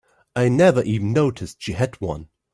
I never even noticed she had one.